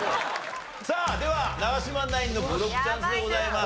さあでは長嶋ナインのブロックチャンスでございます。